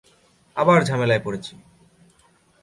আবার ঝামেলায় পড়েছি।